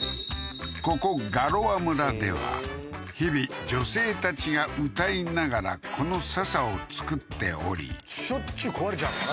ここガロア村では日々女性たちが歌いながらこのササを作っておりしょっちゅう壊れちゃうのかな？